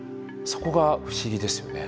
そこが不思議ですよね。